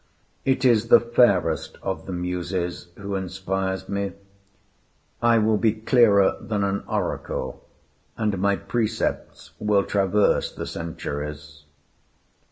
"It is the fairest of the Muses who inspires me: I will be clearer than an oracle, and my precepts will traverse the centuries."